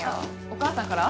お母さんから？